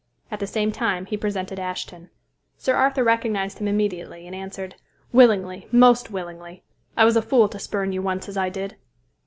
At the same time he presented Ashton. Sir Arthur recognized him immediately and answered, "Willingly, most willingly. I was a fool to spurn you once as I did."